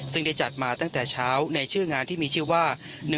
ซึ่งได้จัดมาตั้งแต่เช้าในชื่องานที่มีชื่อว่า